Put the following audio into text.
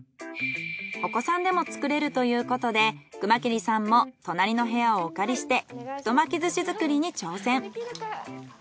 お子さんでも作れるということで熊切さんも隣の部屋をお借りして太巻き寿司作りに挑戦。